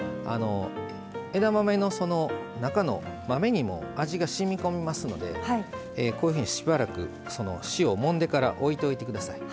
枝豆の中の豆にも味がしみこみますのでこういうふうにしばらく塩をもんでから置いといて下さい。